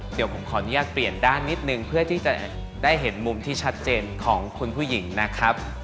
เดี๋ยวผมขออนุญาตเปลี่ยนด้านนิดนึงเพื่อที่จะได้เห็นมุมที่ชัดเจนของคุณผู้หญิงนะครับ